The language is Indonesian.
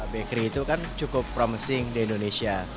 bakery itu kan cukup promising di indonesia